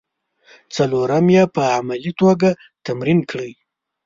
څلورم یې په عملي توګه تمرین کړئ.